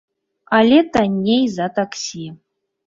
Але танней за таксі.